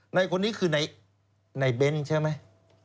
นายคนนี้คือนายเบ้นใช่ไหม